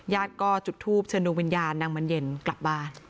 ญาติก็จุดทูปเชิญดวงวิญญาณนางบรรเย็นกลับบ้าน